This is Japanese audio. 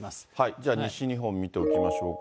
じゃあ、西日本見ておきましょうか。